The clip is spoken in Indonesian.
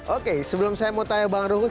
oke sebelum saya mau tanya bang ruhut